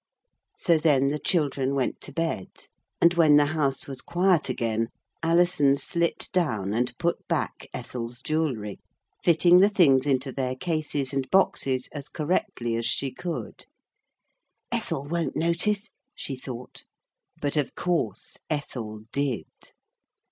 So then the children went to bed. And when the house was quiet again, Alison slipped down and put back Ethel's jewelry, fitting the things into their cases and boxes as correctly as she could. 'Ethel won't notice,' she thought, but of course Ethel did.